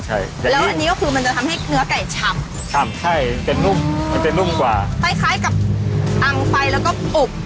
ใช่ครับ